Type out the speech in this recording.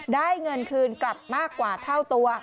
ได้เงินคืนกลับมากกว่าเท่าตัว